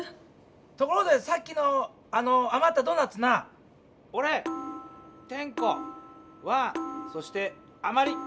ところでさっきのあのあまったドーナツなおれテンコワンそしてあまり。